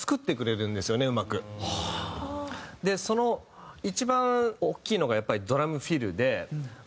でその一番大きいのがやっぱりドラムフィルで。